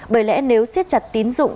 bởi lẽ nếu siết chặt tín dụng